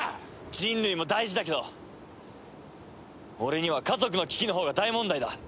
人類も大事だけど俺には家族の危機のほうが大問題だ。